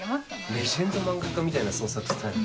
レジェンド漫画家みたいな創作スタイルだな。